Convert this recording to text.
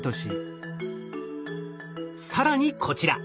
更にこちら。